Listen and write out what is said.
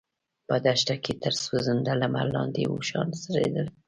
په دښته کې تر سوځنده لمر لاندې اوښان څرېدل.